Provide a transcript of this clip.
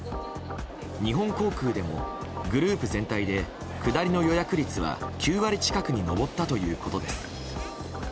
日本航空でもグループ全体で下りの予約率は９割近くに上ったということです。